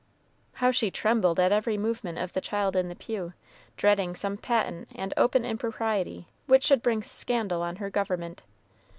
How she trembled at every movement of the child in the pew, dreading some patent and open impropriety which should bring scandal on her government!